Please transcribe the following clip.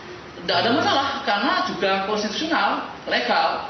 tidak ada masalah karena juga konstitusional legal